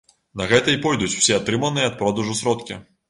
На гэта і пойдуць усе атрыманыя ад продажу сродкі.